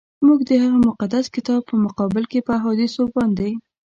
موږ د هغه مقدس کتاب په مقابل کي په احادیثو باندي.